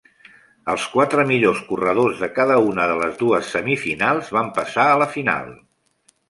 Els quatre millors corredors de cada una de les dues semifinals van passar a la final.